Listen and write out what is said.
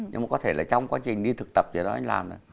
nhưng có thể trong quá trình đi thực tập thì anh ấy làm được